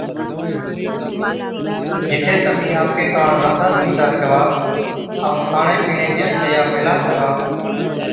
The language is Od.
جِٺي تمهِين آپڪي ڪاڻ رانڌا سِينڌا ڇوا ائُون کاڻي پِيڻي چِيا شِيئا ميهلا ڇَوا۔